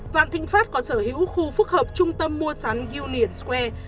vạn thịnh pháp có sở hữu khu phức hợp trung tâm mua sắm union square